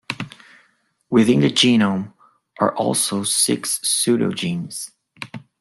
Within the genome are also six pseudogenes.